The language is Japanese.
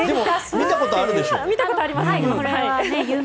見たことありますね。